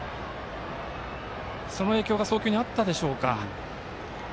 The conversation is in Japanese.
その影響が送球にあったでしょうか。